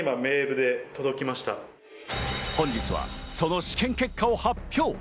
本日はその試験結果を発表。